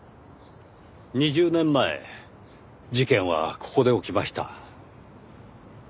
２０年前事件はここで起きました。